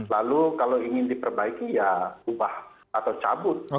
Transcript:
lalu kalau ingin diperbaiki ya ubah atau cabut